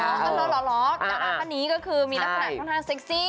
การาท่านนี้ก็คือมีลักษณะค่อนข้างเซ็กซี่